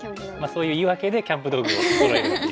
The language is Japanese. そういう言い訳でキャンプ道具をそろえる。